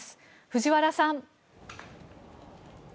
藤原さん。